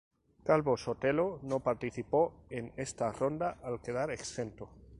El Calvo Sotelo no participó en esta ronda al quedar exento.